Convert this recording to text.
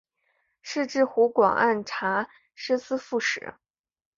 仕至湖广按察使司副使。